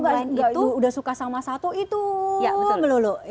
jadi kalau sudah suka sama satu itu melulu